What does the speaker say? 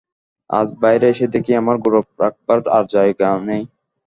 আজ বাইরে এসে দেখি, আমার গৌরব রাখবার আর জায়গা নেই।